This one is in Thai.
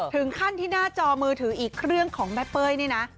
ถึงขั้นที่หน้าจอมือถืออีกเครื่องของแม่เป้ยนี่นะ